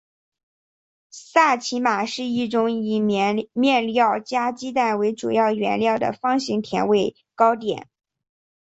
萨其马是一种以面粉加鸡蛋为主要原料的方形甜味糕点。